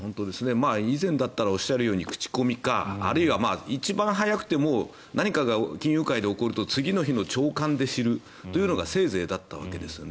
以前だったらおっしゃるように口コミかあるいは一番早くても何かが金融界で起きると次の日の朝刊で知るというのがせいぜいだったわけですよね。